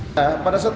pada saat kompensasi